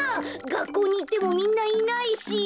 がっこうにいってもみんないないし。